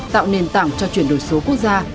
tạo nền tảng cho chuyển đổi số quốc gia